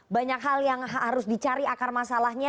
banyak hal yang harus dicari akar masalahnya